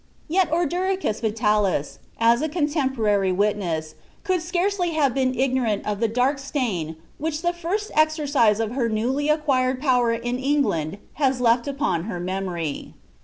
Tet Ordericus Vitalis, as a contemporary witness, could scarcely have been ignonot of the dark stain which the first exercise of her newly acquired power in England has led upon her memory.